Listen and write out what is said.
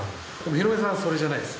ヒロミさんはそれじゃないです。